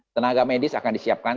tenaga medis akan disiapkan